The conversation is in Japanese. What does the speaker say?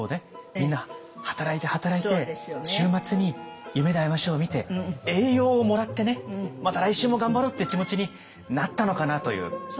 みんな働いて働いて週末に「夢であいましょう」を見て「永養」をもらってねまた来週も頑張ろうっていう気持ちになったのかなという。